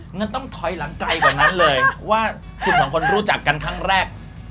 งั้นต้องถอยหลังไกลกว่านั้นเลยว่าคุณสองคนรู้จักกันครั้งแรก